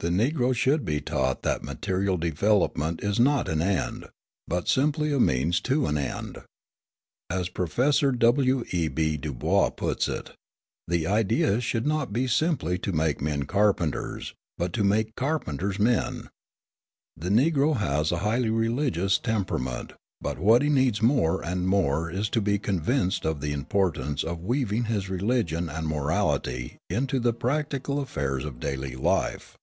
The Negro should be taught that material development is not an end, but simply a means to an end. As Professor W. E. B. DuBois puts it, "The idea should not be simply to make men carpenters, but to make carpenters men." The Negro has a highly religious temperament; but what he needs more and more is to be convinced of the importance of weaving his religion and morality into the practical affairs of daily life.